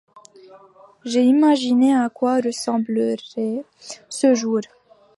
J'ai imaginé à quoi ressemblerait ce jour.